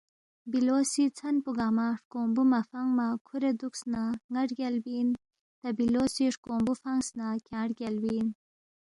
بِلو سی ژھن پو گنگمہ ہرکونگبُو مہ فنگما کُھورے دُوکس نہ ن٘ا رگیالبی اِن، تا بِلو سی ہرکونگبُو فنگس نہ کھیانگ رگیالبی اِن